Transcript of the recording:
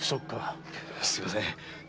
すみません。